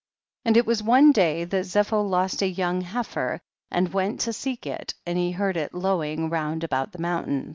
14. And it was one day that Zepho lost a young heifer, and he went to seek it, and he heard it lowing round about the mountain.